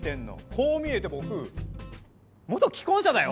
こう見えて僕元既婚者だよ。